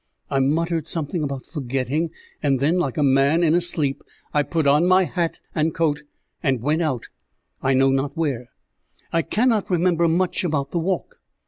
I muttered something about forgetting, and then, like a man in a sleep, I put on my hat and coat and went out, I know not where. I cannot remember much about the walk.